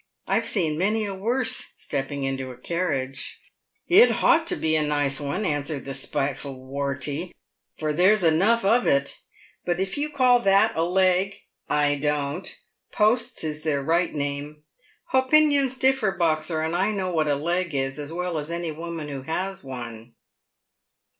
I've seen many a worse stepping into a carriage." " It haught to be a nice one," answered the spiteful Wortey, " for there's enough of it ; but if you call that a leg — I don't — posts is their right name. Hopinions differ, Boxer, and I know what a leg is as well as any woman who has one."